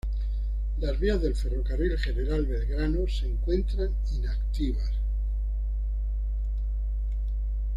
Las vías del Ferrocarril General Belgrano se encuentran inactivas.